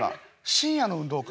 深夜の運動会？」。